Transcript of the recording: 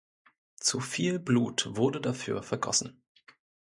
Zu viel Blut wurde dafür vergossen.